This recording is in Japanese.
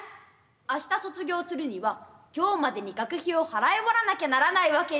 明日卒業するには今日までに学費を払い終わらなきゃならないわけよ。